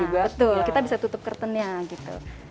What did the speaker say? betul kita bisa tutup kertonnya gitu